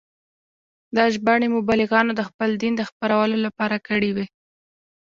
دا ژباړې مبلغانو د خپل دین د خپرولو لپاره کړې وې.